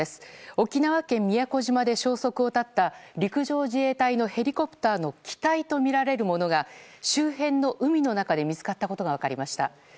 沖縄県宮古島で消息を絶った陸上自衛隊のヘリコプターの機体とみられるものが周辺の海の中で見つかったことが分かりました。